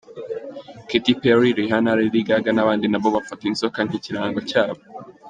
Katy Perry, Rihanna, Lady Gaga n’abandi nabo bafata inzoka nk’ikirango cyabo.